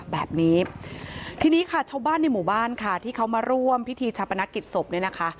แบบนี้ทีนี้ค่ะชาวบ้านในหมู่บ้านค่ะที่เขามาร่วมพิธีชาปนกิจศพเนี่ยนะคะ